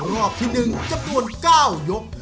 รอบที่๑จำนวน๙ยก